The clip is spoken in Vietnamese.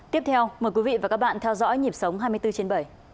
tiếp theo mời quý vị và các bạn theo dõi nhịp sống hai mươi bốn trên bảy